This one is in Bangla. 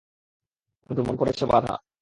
কিন্তু মন পড়েছে বাঁধা।